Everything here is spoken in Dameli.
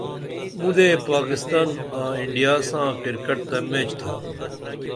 مودے پاکستان آں انڈیا ساں کرکٹ تہ میچ تھا۔